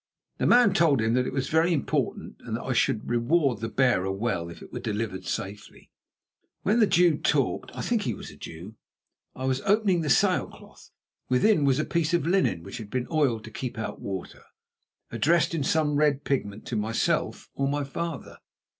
The man told him that it was very important, and that I should reward the bearer well if it were delivered safely. While the Jew talked (I think he was a Jew) I was opening the sail cloth. Within was a piece of linen which had been oiled to keep out water, addressed in some red pigment to myself or my father.